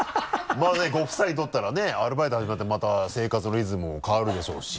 まぁねご夫妻にとったらねアルバイト始めたらまた生活のリズムも変わるでしょうし。